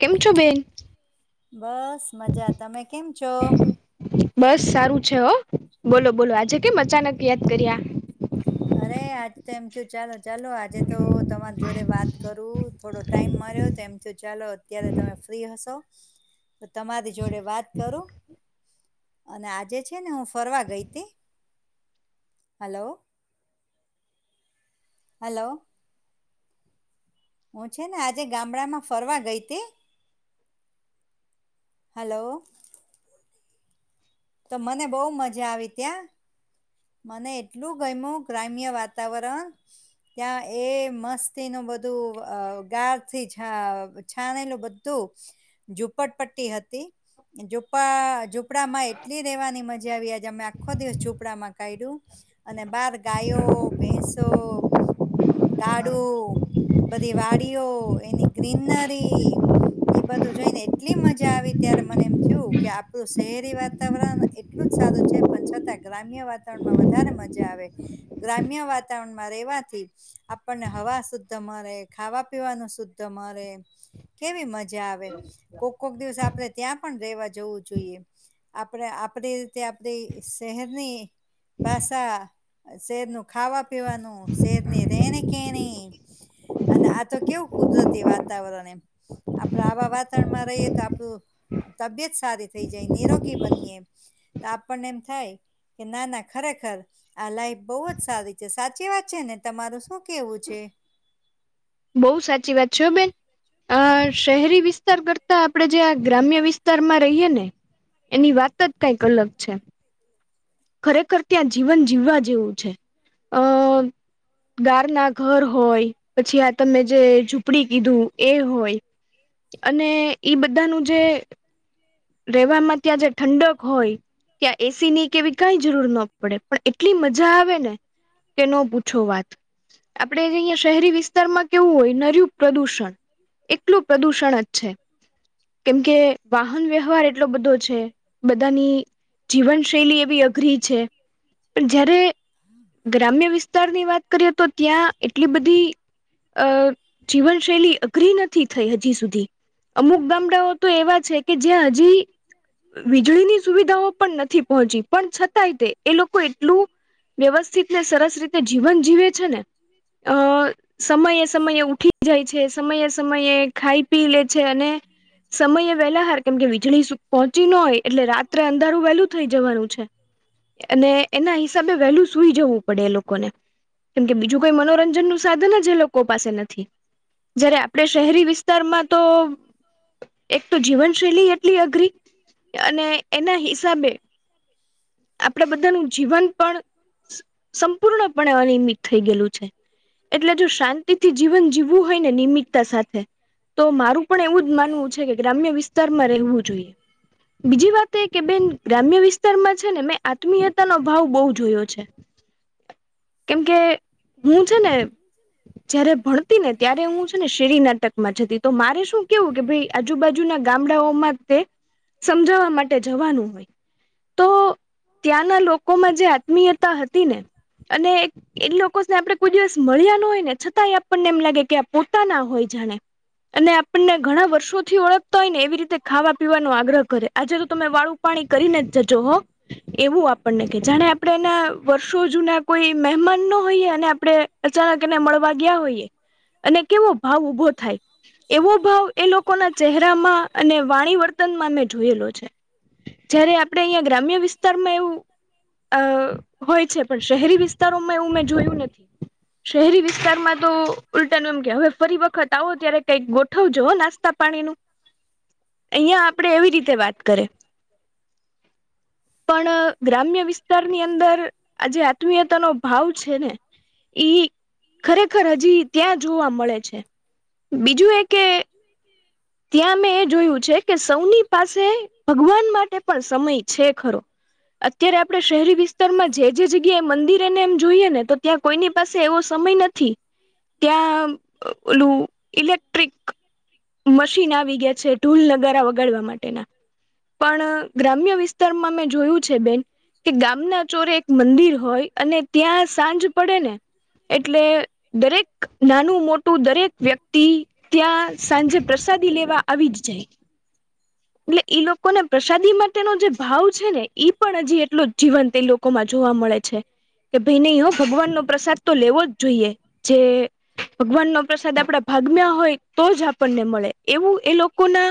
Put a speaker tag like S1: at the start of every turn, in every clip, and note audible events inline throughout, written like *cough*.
S1: કેમ છો બેન.
S2: બસ મજા તમે કેમ છો.
S1: બસ સારું છે. હો બોલો બોલો આજે કેમ અચાનક યાદ કર્યા.
S2: અરે આજ તો એમથી ચાલો ચાલો આજે તો તમારી જોડે વાત કરું. થોડો ટાઈમ મળર્યો તો એમથી ચાલો અત્યારે તમે ફ્રી હશો. તો તમારી જોડે વાત કરું અને આજે છે ને હું ફરવા ગઈ હતી. હલો હલો, હું છે, ને આજે ગામડામાં ફરવા ગઈતી. હલો તો મને બહુ મજા આવી ત્યાં મને એટલું ગમું ગ્રામ્ય વાતાવરણ ત્યાં એ મસ્તીનું બધું ગાાર થી છ છાણેલું તું ઝુપટપટ્ટી હતી. ઝૂપડાા ઝૂપડા માં એટલી રહેેવાની મજા આવી આજે અમે આખો દિવસ ઝૂપડા માં. કું અને બાર ગાયો ભેસો ગાડું બધી વાડીઓ એની ગ્રીનરી એ બધું જઈ ને એટલી મજા આવી ત્યારે મને એમ થયું કે આપણું શહેરી વાતાવરણ એટલું જ સારું છે. પણ છતાં ગ્રામ્ય વાતાવરણમાં વધારે મજા આવે. ગ્રામ્ય વાતાવરણમાં રહેવાથી. આપણને હવા શુદ્ધ મળરે, ખાવા પીવાનું શુદ્ધ મળે. કેવી મજા આવે કોક કોક દિવસ આપણે ત્યાં પણ રહેેવા જવું જોઈએ. આપણે આપણી રીતે આપણી શહેરની પાસાા શેર ન ખાવા પીવાનું શેરની રેણી કેણી અને આ તો કેવું કુદરતી વાતાવરણ એમ આપડ આવા વાતાવરણમાં રહીએ તો આપડું તબિયત સારી થઈ જાય નિરોગી બનીએ એ તો આપણને એમ થાય કે ના ના ખરેખર આ લાઈફ બહુ જ સારી છે. સાચી વાત છે, ને તમારું શું કેવું છે.
S1: બઉુ સાચી વાત છે બેન. અ શહેરી વિસ્તાર કરતા આપણેે જેં ગ્રામ્ય વિસ્તારમાં રહીએ ને એની વાત જ કઈક અલગ છે. ખરેખર ત્યાં જીવન જીવવા જેવું છે. અ ગારના ઘર હોય પછી આ તમે જે ઝૂંપડી કીધું એ હોય. અને ઈ બધાનું જે રહે માટે આજે ઠંડક હોય. કયા એસીની કેવી કંઈ જરૂર ના પડે પણ એટલી મજા આવેને કેનો પૂછું વાત. આપડણે જે અહિયાયા શહેરી વિસ્તારમાં કેવું હોય નરું પ્રદુષણ એટલું પ્રદુષણ જ છે. કેમ કે, વાહન વ્યવાર એટલો બધો છે. બધાની જીવનશૈલી એવી પણ જયારે ગ્રામ્ય વિત વિસ્તારની વાત કરીએ તો ત્યાં એટલી બધી અ જીવનશૈલી અઘરી નથી થઈ હજી સુધી. અમુક ગામડાઓ તો એવા છે કે જે હજી વીજળીની સુવિધાઓ પણ નથી પહોંચી પણ છતાંય તે એ લોકો એટલું વ્યવસ્થિત ને સરસ રીતે જીવન જીવે છે ને
S2: છે.
S1: અ સમયે સમયે ઉઠી જાય છે. સમયે સમયે ખાઈ પી લે છે અને
S2: *unintelligible*
S1: પેલા હાર કેમ કે વીજળી પહોંચી ન હોય એટલે રાત્રે અંધારું વેલું થઈ જવાનું છે. અને એના હિસાબે વેલ્યુ સુઈ જવું પડે એ લોકોને કેમ કે, બીજું કોઈ મનોરંજનનું સાધન જે લોકો પાસે નથી. જયારે આપડે શહેરી વિસ્તારમાં તો એક તો જીવન શૈલી એટલી અઘરી અને એના હિસાબે આપણેે બધાનું જીવનપણ સંપૂર્ણપણે અનિયમિત થઈ ગયેલું છે. એટલે જો શાંતિથી જીવન જીવવું હોય ને નિમિતતા સાથે તો મારું પણ એવું જ માનવું છે, કે ગ્રામ્ય વિસ્તારમાં રહેવું જોઈએ બીજી વાત એકે બેન ગ્રામ્ય વિસ્તારમાં જ છે, ને મેં આત્મીયતા નો અભાવ બહું જોયો છે. કેમ કે હું છે, ને જયારે ભણતીને ત્યારે હું છે, ને શેરી નાટકમાં જતી તો મારે શું કેવું કે આજુબાજુ ના ગામ ગામડાઓમાં તે સમજાવવા માટે જવાનું હોય. તો ત્યાંના લોકોમાં જે આત્મીયતા હતી, ને અને એક એ લોકોને આપણે કોઈ દિવસ મળ્યા ન હોય ને છતાંય આપણને એમ લાગે કે આ પોતાના હોય જાણે. અને આપણને ઘણા વર્ષોથી ઓળખતા હોયને એવી રીતે ખાવા પીવાનો આગ્રહ કરે આજે તો તમે વાળું પાણી કરીને જજો હો એવું આપણને કે જાણે આપણે એના વર્ષો જૂના કોઈ મહેમાનનો હોઈએ અને આપણે અચાનક ને મળવા ગયા હોઈએ અને કેવો ભાવ ઉભો થાય. એવો ભાવ એ લોકો ના ચહેરામાં અને વાણી વર્તનમાં મે જોયેલો છે. જયારે આપડે અહિયાં ગ્રામ્ય વિસ્તારમાં એવું અ હોય છે, પણ શહેરી વિસ્તારોમાં એવું મેં જોયું નથી શહેરી વિસ્તારમાં વિસ્તારમાં તો ઉલટા ન એમ કે હવે ફરી વખત આવો ત્યારે કંઈક ગોઠવજો નાસ્તા પાણીનું અહિયાં આપડે એવી રીતે વાત કરે. પણ ગ્રામ્ય વિસ્તારની અંદર આજ આત્મીયતા નો ભાવ છે, ને ખરેખર હજી ત્યાં જોવા મળે છે, બીજું એક કે ત્યાં મેં એ જોયું છે, કે સૌની પાસે ભગવાન માટે પણ સમય છે, ખરો અત્યારે આપણે શહેરી વિસ્તારમાં જે જે જગ્યા એ મંદિર એને એમ જોઈએ નેતો ત્યાં કોઈની પાસે એવો સમય નથી. ત્યાં ઓલું ઇલેક્ટ્રિક મશીન આવી ગયા છે, ઢૂલ નગારા વગાડવા માટેના પણ. ગ્રામ્ય વિસ્તારમાં મેં જોયું છે, બેન કે ગામના ચોરે એક મંદિર હોય અને ત્યાં સાંજ પડે ને એટલે દરેક નાનું મોટું દરેક વ્યક્તિ ત્યાં સાંજે પ્રસાદી લેવા આવી જ જાય એટલે ઈ લોકોને પ્રસાદી માટે એનો જે ભાવ છે ને એ પણ હજી એટલો જીવંત તે લોકોમાં જોવા મળે છે. કે ભાઈ નહી ભગવાન નો પ્રસાદ તો લેવો જ જોઈએ જે ભગવાન નો પ્રસાદ આપડા ભાગમ્યા હોય તો જ આપણને મળે. એવુંએ લોકોના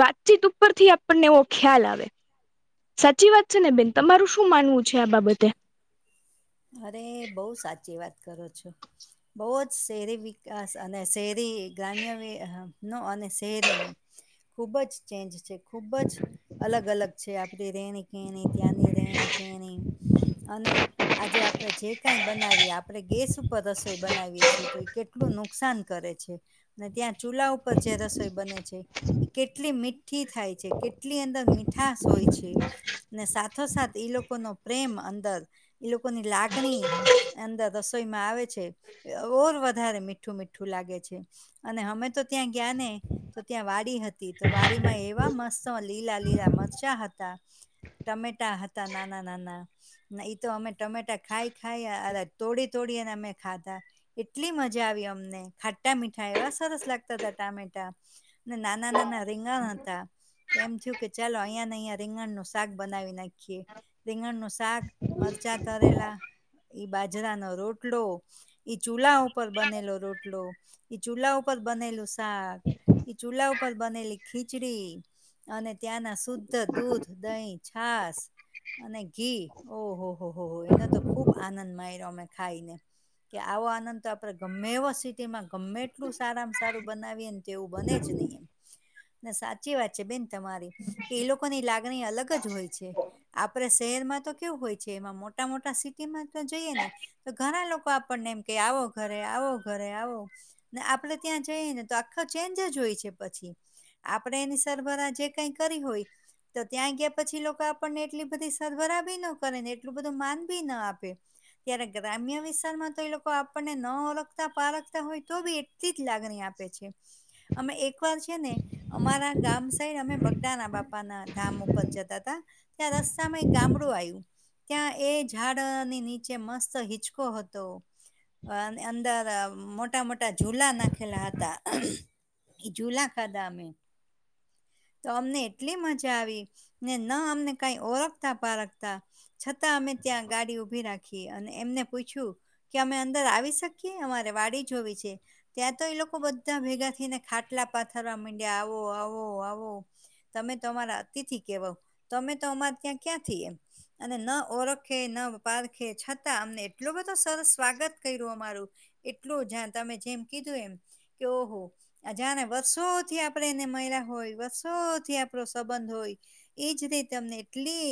S1: વાતચીત ઉપરથી આપણને એવો ખ્યાલ આવે. સાચી વાત છે ને બેન તમારું શું માનવું છે આ બાબતે?
S2: અરે બહુ સાચી વાત કરો છો. બહુ જ શહેરી વિકાસ અને શહેરી ગ્રામ્યનું અને શહેરીનું ખૂબ જ ચેન્જ છે. ખુબજ અલગ અલગ છે, આપડી રેની કેની ત્યાંની રહેકેણી અને આજે આપણે જે કંઈ બનાવીએ આપણે ગેસ ઉપર રસોઈ બનાવીએ છીએ, તો એ કેટલા કેટલું નુકસાન કરે છે અને ત્યાં ચૂલા ઉપર જે રસોઈ બને છે, એ કેટલી મી ઠી થાય છે, કેટલી અંદર મીઠાશ હોય છે ને સાથોસાથ એ લોકોનો પ્રેમ અંદર, એ લોકોની લાગણી અંદર માં આવે છે ઓર વધારે મીઠું મીઠું લાગે છે અને અમે તો ત્યાં ગયાને તો ત્યાં વાડી હતી, તો વાડીમાં એવા મસ્ત લીલા લીલા મરચા હતા. ટમેટા હતા નાના નાના ને એ તો અમે ટમેટા ખાઈ ખાઈ તોડી તોડીને અમે ખાધા. એટલી મજા આવી અમને. ખાટા મીઠા એવા સરસ લાગતા હતા ટામેટા. ને નાના નાના રીંગાણ હતા. એમ થયું કે ચાલો અહીંયા અને અહીંયા રીંગણનું શાક બનાવી નાખ્યું. રીંગણ નું શાક, મરચાં તરેલા ઈ બાજરાનો રોટલો, ઈ ચૂલા ઉપર બનેલો રોટલો. ઈ ચૂલ્લા ઉપર બનેલું શાક, ઈ ચૂલા ઉપર બનેલી ખીચડી. અને ત્યાંના શુદ્ધ દૂધ, દહીં, છાસ અને ઘી. ઓહ હો હો હો એના તો ખુબ આનંદ મળ્યો અમે ખાઈને. કે આવો આનંદ તો આપડે ગમે એવા સિટીમાં ગમે એટલું સારામાં સારું બનાવીએ તેવુ બને જ નહીં, ને સાચી વાત છે બેન તમારી. એ લોકોની લાગણી અલગ જ હોય છે. આપડે શહેરમાં તો કેવુ હોય છે એમાં મોટા મોટા સિટીમાં તો જઈએ ને તો ઘણા લોકો આપણને એમ કે આવો ઘરે આવો ઘરે આવો. ને આપડે ત્યાં જઈએ ને તો આખો ચેન્જ જ હોય છે પછી. આપણેે એની સરભરા જે કઈ કરી હોય તો ત્યાં ગયા પછી લોકો આપણને એટલી બધી સરભરા બી ન કરે ને એટલું બધું માન બી ના આપે. ત્યારે ગ્રામ્ય વિસ્તારમાં તો એ લોકો આપણને ન ઓળખતા પારકતા હોય તો બી એટલીજ લાગણી આપે છે. અમે એક વાર છે ને અમારા ગામ સાઈડ અમે બગદાના બા પાના ધામ ઉપર જતા હતા, ત્યાં રસ્તામાં એક ગામડું આવ્યું. ત્યાં એ ઝાડની નીચે મસ્ત હિચકો હતો. અંદર મોટા મોટા ઝુલા નાખેલા હતા. એ ઝૂલા ખાધા અમે. તો અમને એટલી મજા આવી ને ન અમને કાઈ ઓરખતા પારખતા છતાં અમે ત્યાં ગાડી ઉભી રાખ અને એમને પૂછ્યું કે અમે અંદર આવી શકીએ અમારે વાડી જોવી છે. ત્યાં તો એ લોકો બધા ભેગા થઈને ખાટલા પાથરવા માંડ્યા આવો આવો આવો. તમે તો અમારા અતિથી કહેવાવ તમે તો અમારે ત્યાં ક્યાં થઈ એમ. અને ન ઓળખે ના પારખે છ અમને એટલો બધો સરસ સ્વાગત કર્યું અમારું એટલું જ તમે જેમ કીધું એમ કયો હો. આ જા વર્ષોથી આપણેે એને મહિલા હોય વર્ષોથી આપણો સંબંધ હોય. એ જ રી તમને એટલી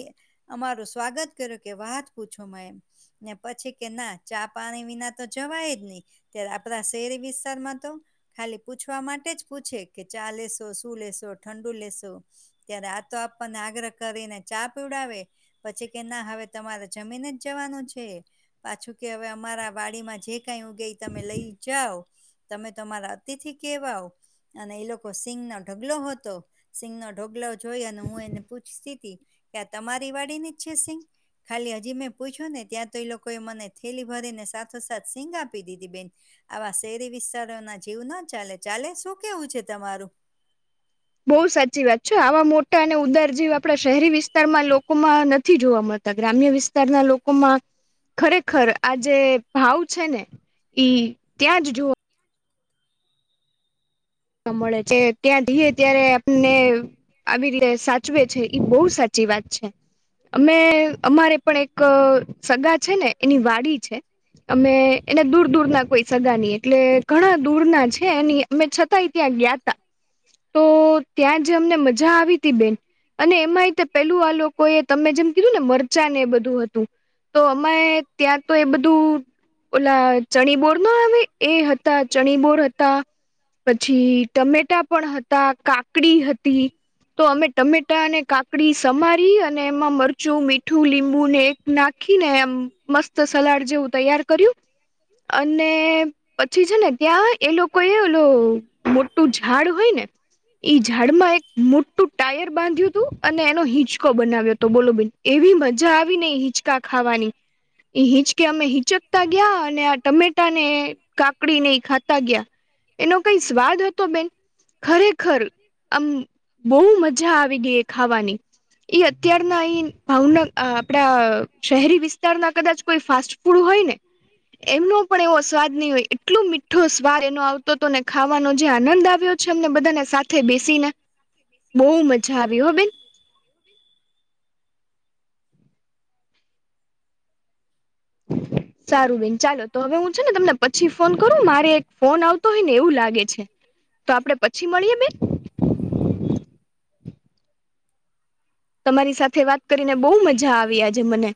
S2: અમારું સ્વાગત કર્યું કે વાત પૂછો મે એમ. ને પછી કે ના, ચા પાણી વિના તો જવાય જ નહી. ત્યારે આપણા શેરી વિસ્તારમાં તો ખાલી પૂછવા માટે જ પૂછે, કે ચા લેશો શું લેશો ઠંડુ લેશો? ત્યારે આ તો આપણને આગ્રહ કરીને ચા પીવડાવે. પછી કે ના હવે તમારે જમીન જ જવાનું છે. પાછું કે હવે અમારા વાડીમાં જે કઈ ઉગે તમે લઈ જાવ તમે અમારા અતિથિ કેહવાવ. અને એ લોકો સિંગનો ઢગલો હતો. સિંંગનો ઢોગલો જોઈ અને હું એને પૂછતી તી કે તમારી વાડીની જ છે સિંંગ? ખાલી હજી મેં પૂછ્યું ને ત્યાં તો એ લોકોએ મને થેલી ભરીને સાથોસાથ સીંગ આપી દીધી બેન. આવા શેરી વિસ્તારો ના જીવ ના ચાલે ચાલે શું કેવું છે તમારું?
S1: બહુ સાચી વાત છે આવા મોટા અને ઉદાર જીવ આપણા શહેરી વિસ્તારમાં લોકોમાં નથી જોવા મળતા. ગ્રામ્ય વિસ્તારના લોકોમાં ખરેખર આ જે ભાવ છે ને ઈ ત્યાં જ જોવા મળે છે. ત્યાં જઈએ ત્યારે આપને આવી રીતે સાચવે છે એ બહુ સાચી વાત છે. અમે અમારે પણ એક સગા છે ને એની વાડી છે. અમે એને દૂર દૂર ના કોઈ સગા નહ એટલે ઘણા દૂર ના છે. એની અમે ત્યાં ગયાતા તો ત્યાં જે અમને મજા આવી ત બેન. અને એમાંયતે પેલું આ લોકો એ તમે જેમ કીધું ને મરચા ને એ બધું હતું. તો અમે ત્યાં તો એ બધું ઓલા ચણી બોર નો આવે? એ હતા ચણી બોર હતા. પછી ટમેટા પણ હતા, કાકડી હતી. તો અમે ટમેટા અને કાકડી સમારી અને એમાં મરચું, મીઠું, લીંબુ ને એક નાખ, રાખીને એમ મસ્ત સલાડ જેવું તૈયાર કર્યું અને પછી છે ને ત્યાં એ લોકો એ ઓલો મોટું ઝાડ હોય ને ઝાડમાં એક મોટું ટાયર બાંધ્યું હતું અને એનો હિંચકો બનાવ્યો હતો બોલો બેન એવી મજા આવી નઈ હિચકા ખાવાની. એ હિચકે અમે હિચકતા ગયા અને આ ટમેટા ને કાકડી ને એ ખાતા ગયા. એનો કઈ સ્વાદ હતો બેન! ખરેખર આમ બહ મજા આવી ગઈ એ ખાવાની. ઈ અત્યારના અ ભાવન આપડા શહેરી વિસ્તારના કદાચ કોઈ ફાસ્ટ ડું હોય ને એમનો પણ એવો સ્વાદ નહી હોય એટલો મીઠો સ્વાદ એ આવ તો તોને ખાવાનો જે આનંદ આવ્યો છે અમને બધાને સાથે બેસીને. બહુ મજા આવી હો બેન. સારું બેન ચાલો તો હવે હું છે ને તમને પછી ફોન કરું મારે એક ફોન આવતો હોય ને એવું લાગે છે. તો આપડે પછી મળીએ બેન? તમારી સાથે વાત કરીને બહુ મજા આવી આજે મને.